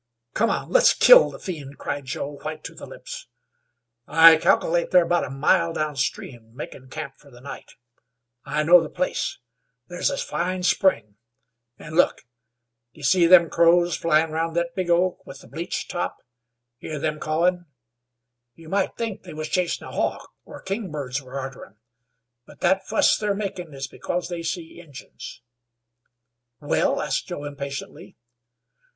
"Come on. Let's kill the fiend!" cried Joe, white to the lips. "I calkilate they're about a mile down stream, makin' camp fer the night. I know the place. There's a fine spring, an, look! D'ye see them crows flyin' round thet big oak with the bleached top? Hear them cawin'? You might think they was chasin' a hawk, or king birds were arter 'em, but thet fuss they're makin' is because they see Injuns." "Well?" asked Joe, impatiently.